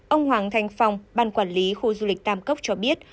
ông hoàng thành phong ban quản lý khu du lịch tam cốc cho biết